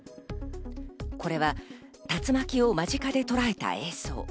これは竜巻を間近でとらえた映像。